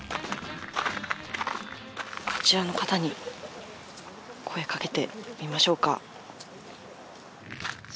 あちらの方に声かけてみましょうか。